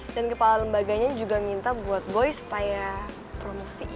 dan kepala lembaganya juga minta buat boy supaya promosi ya